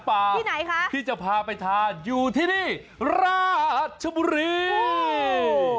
อาหารปลาที่จะพาไปทานอยู่ที่นี่ราชบุรีโอ้โห